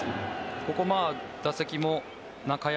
ここ、打席も中山